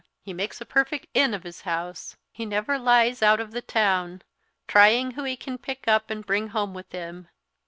He makes a perfect inn of his house. He never lies out of the town, trying who he can pick up and bring home with him.